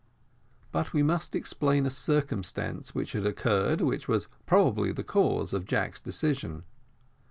But we must explain a circumstance which had occurred, which was probably the cause of Jack's decision.